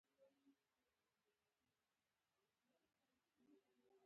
ازاد تجارت کولای شي.